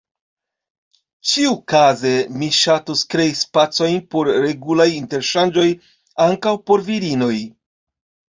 Ĉiukaze mi ŝatus krei spacojn por regulaj interŝanĝoj ankaŭ por virinoj.